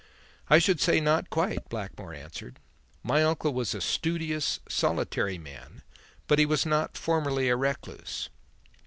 "I should say not quite," Blackmore answered. "My uncle was a studious, solitary man, but he was not formerly a recluse.